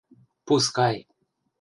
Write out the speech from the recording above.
Пускай!